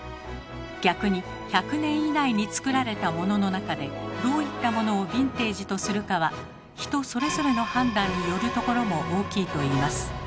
逆に１００年以内に作られたモノの中でどういったものをヴィンテージとするかは人それぞれの判断によるところも大きいといいます。